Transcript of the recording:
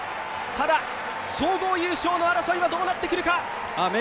ただ、総合優勝の争いはどうなってくるか。